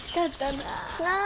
なあ。